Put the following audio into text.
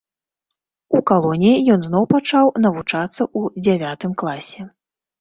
У калоніі ён зноў пачаў навучацца ў дзявятым класе.